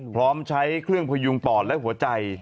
พร้อมใช้เครื่องพยุงปอดและหัวใจ